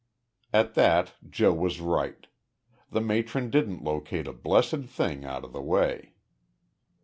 At that, Joe was right. The matron didn't locate a blessed thing out of the way.